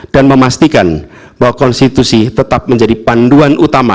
memastikan bahwa konstitusi tetap menjadi panduan utama